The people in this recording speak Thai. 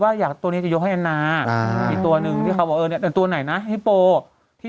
ว่าอยากตัวนี้ยังเขาฮา์อาหารในตัวนึงเขาบอกเนี่ยกันตัวไหนนะฮิโปร์ที่